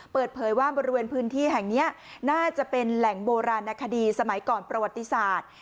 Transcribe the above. เปิดเผยว่าบริเวณพื้นที่แห่งนี้น่าจะเป็นแหล่งโบราณนาคดีสมัยก่อนประวัติศาสตร์